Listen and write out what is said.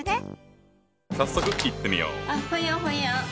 早速いってみよう。